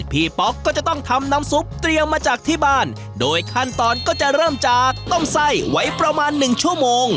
ป๊อกก็จะต้องทำน้ำซุปเตรียมมาจากที่บ้านโดยขั้นตอนก็จะเริ่มจากต้มไส้ไว้ประมาณหนึ่งชั่วโมง